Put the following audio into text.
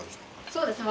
そうですね